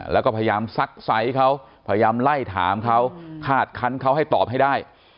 แล้วก็พยายามซักไซส์เขาพยายามไล่ถามเขาคาดคันเขาให้ตอบให้ได้